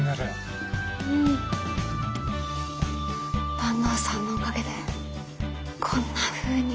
坂東さんのおかげでこんなふうに。